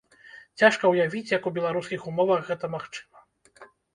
Цяжка ўявіць, як у беларускіх умовах гэта магчыма.